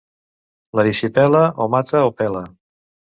L'erisipela o mata o pela.